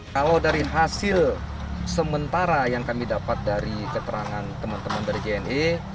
kalau dari hasil sementara yang kami dapat dari keterangan teman teman dari jne